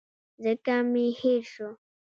ځکه مي هېر شو .